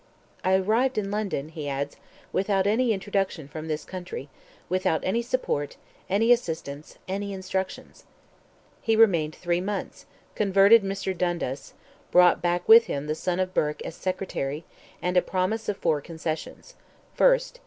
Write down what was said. "I arrived in London," he adds, "without any introduction from this country, without any support, any assistance, any instructions." He remained three months, converted Mr. Dundas, brought back with him the son of Burke as Secretary, and a promise of four concessions: 1st.